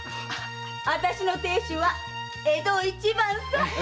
あたしの亭主は江戸一番さ！